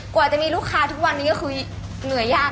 กว่าจะมีลูกค้าทุกวันนี้ก็คือเหนื่อยยาก